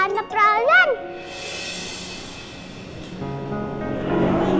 mah ada nana perawanan